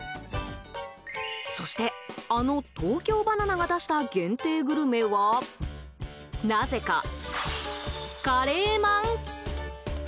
そして、あの東京ばな奈が出した限定グルメはなぜか、カレーまん？